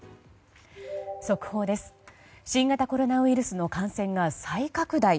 新型コロナウイルスの感染が再拡大。